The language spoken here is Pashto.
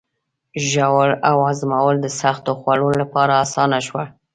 ژوول او هضمول د سختو خوړو لپاره آسانه شول.